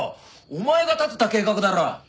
お前が立てた計画だろ！